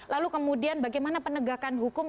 lalu kemudian bagaimana penegakan hukum